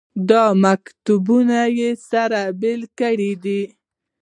دا مکتبونه یې سره بېلې کړې دي.